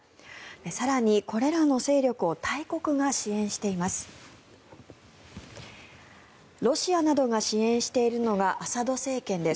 更に、これらの勢力を大国が支援しています。